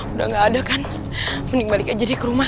udah nggak ada kan mending balik aja ke rumah